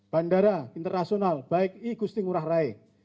bandara internasional baik i kusting urah rai